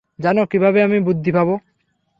জানো, কীভাবে আমি বুদ্ধি পাব?